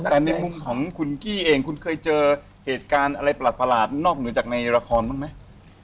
แต่ในมุมของคุณกี้เองคุณเคยเจอเหตุการณ์อะไรประหลาดนอกเหนือจากในละครบ้างไหม